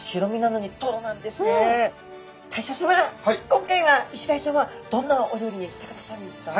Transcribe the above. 今回はイシダイちゃんはどんなお料理にしてくださるんですか？